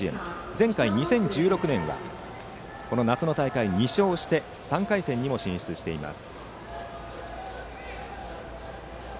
前回２０１６年は夏の大会２勝をして３回戦にも進出しています。